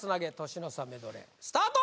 年の差メドレースタート